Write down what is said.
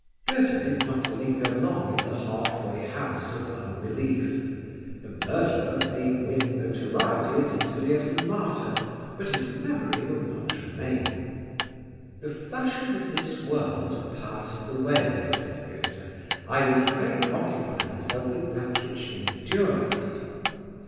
Goethe did not linger long in the halfway house of unbelief; the murderer may win notoriety as easily as the martyr, but his memory will not remain. "The fashion of this world passeth away," said Goethe, "I would fain occupy myself with that which endures."